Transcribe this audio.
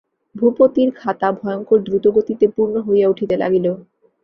ভূপতির খাতা ভয়ংকর দ্রুতগতিতে পূর্ণ হইয়া উঠিতে লাগিল।